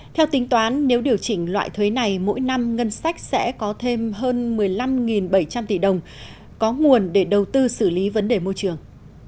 theo tính toán nếu điều chỉnh loại thuế này mỗi năm ngân sách sẽ có thêm hơn một mươi năm bảy trăm linh tỷ đồng có nguồn để đầu tư xử lý vấn đề môi trường